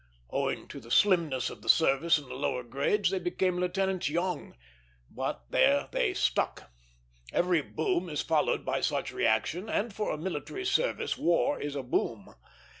Owing to the slimness of the service in the lower grades they became lieutenants young; but there they stuck. Every boom is followed by such reaction, and for a military service war is a boom.